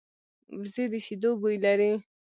وزې د شیدو بوی لري